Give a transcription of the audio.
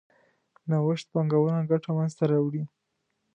نوښت پانګونه ګټه منځ ته راوړي.